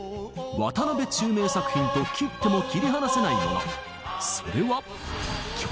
渡辺宙明作品と切っても切り離せないもの。